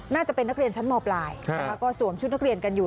น่าจะเป็นนักเรียนชั้นมปลายนะคะก็สวมชุดนักเรียนกันอยู่